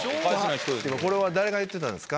これは誰が言ってたんですか？